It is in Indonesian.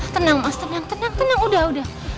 tenang mas tenang tenang tenang udah udah